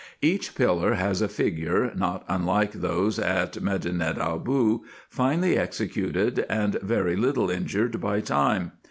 Each pillar has a figure, not unlike those at Medinet Aboo, finely executed, and very little injured by time.